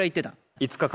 ５日間。